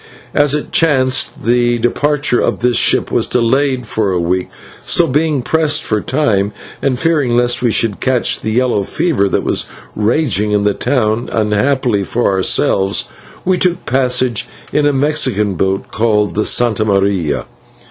As it chanced, the departure of this ship was delayed for a week, so, being pressed for time and fearing lest we should catch the yellow fever that was raging in the town, unhappily for ourselves we took passage in a Mexican boat called the /Santa Maria